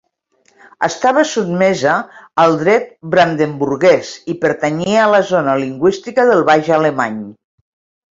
Estava sotmesa al dret brandenburguès i pertanyia a la zona lingüística del baix alemany.